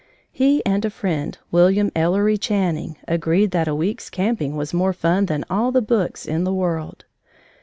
He and a friend, William Ellery Channing, agreed that a week's camping was more fun than all the books in the world.